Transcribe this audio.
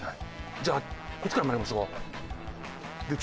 じゃあこっちから参りましょうか。